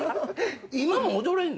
今も踊れるの？